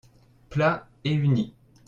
Plat et uni.